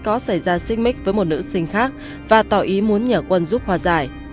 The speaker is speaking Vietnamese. có xảy ra xích mít với một nữ sinh khác và tỏ ý muốn nhờ quân giúp hòa giải